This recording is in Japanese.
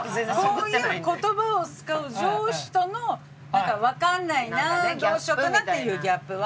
そういう言葉を使う上司とのわかんないなどうしようかなっていうギャップ。